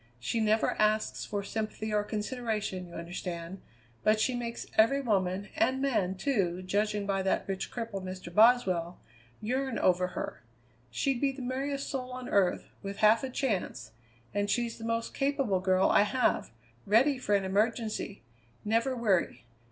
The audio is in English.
She never asks for sympathy or consideration, you understand, but she makes every woman, and man, too, judging by that rich cripple, Mr. Boswell, yearn over her. She'd be the merriest soul on earth, with half a chance, and she's the most capable girl I have: ready for an emergency; never weary.